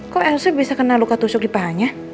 kok lc bisa kena luka tusuk di pahanya